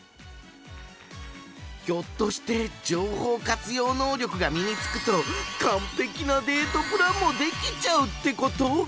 ひょっとして情報活用能力が身につくと完璧なデートプランもできちゃうってこと？